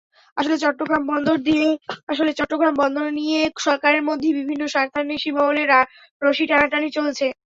আসলে চট্টগ্রাম বন্দর নিয়ে সরকারের মধ্যেই বিভিন্ন স্বার্থান্বেষী মহলের রশি টানাটানি চলছে।